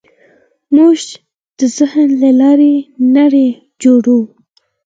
موږ د ذهن له لارې نړۍ جوړوو.